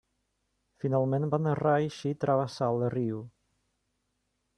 Finalment van reeixir travessar el riu.